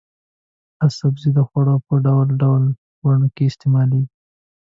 دا سبزی د خوړو په ډول ډول بڼو کې استعمالېږي.